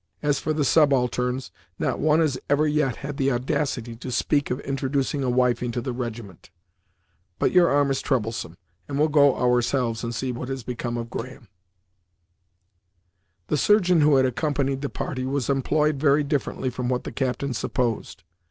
As for the subalterns, not one has ever yet had the audacity to speak of introducing a wife into the regiment. But your arm is troublesome, and we'll go ourselves and see what has become of Graham." The surgeon who had accompanied the party was employed very differently from what the captain supposed.